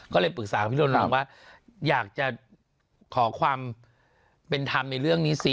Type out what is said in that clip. ก็เลยปรึกษากับพี่โรนองว่าอยากจะขอความเป็นธรรมในเรื่องนี้ซิ